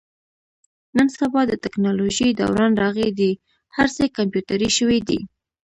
نن سبا د تکنالوژۍ دوران راغلی دی. هر څه کمپیوټري شوي دي.